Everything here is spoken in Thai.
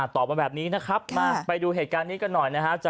ตอบมาแบบนี้นะครับมาไปดูเหตุการณ์นี้กันหน่อยนะฮะ